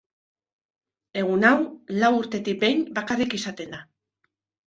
Egun hau lau urtetik behin bakarrik izaten da.